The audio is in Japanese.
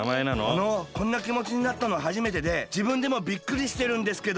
あのこんなきもちになったのはじめてでじぶんでもびっくりしてるんですけど。